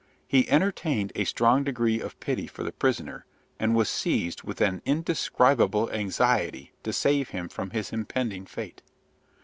He entertained a strong degree of pity for the prisoner, and was seized with an indescribable anxiety to save him from his impending fate.